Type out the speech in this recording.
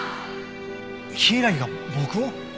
柊が僕を？